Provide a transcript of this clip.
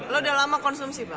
lo udah lama konsumsi pak